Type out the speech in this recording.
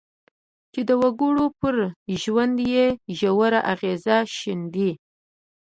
چې د وګړو پر ژوند یې ژور اغېز ښندي.